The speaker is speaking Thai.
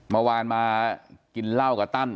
เมื่อวานมากินเหล้ากับตั้น